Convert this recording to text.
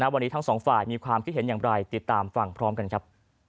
วันนี้ทั้งสองฝ่ายมีความคิดเห็นอย่างไรติดตามฟังพร้อมกันครับ